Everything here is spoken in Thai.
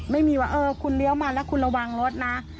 ไม่มีว่าคุณเลี้ยวมาแล้วคุณระวังรถนะ